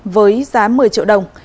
với giá một mươi triệu đồng